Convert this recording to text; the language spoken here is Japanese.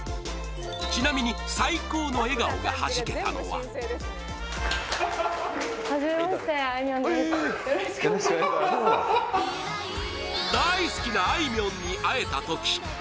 ちなみに、最高の笑顔がはじけたのは大好きな、あいみょんに会えたとき。